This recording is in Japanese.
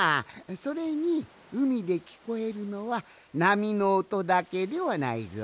それにうみできこえるのはなみのおとだけではないぞ。